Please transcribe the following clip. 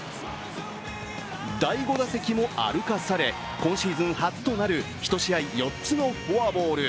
第５打席も歩かされ今シーズン初となる１試合、４つのフォアボール。